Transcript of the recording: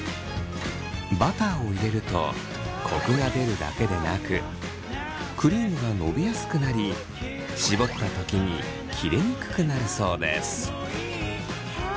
バターを入れるとコクが出るだけでなくクリームがのびやすくなり絞った時に切れにくくなるそうです。